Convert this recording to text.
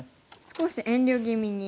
少し遠慮気味に。